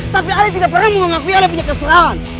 tapi ali tidak pernah mengakui ali punya keserauan